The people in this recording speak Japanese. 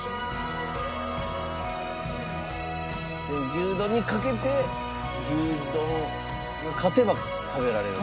牛丼にかけて牛丼が勝てば食べられる。